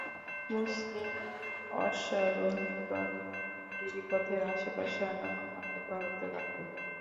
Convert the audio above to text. মুসলিম অশ্বারোহীগণ গিরিপথের আশেপাশে আনাগোনা অব্যাহত রাখে।